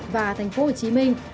và thành phố hồ chí minh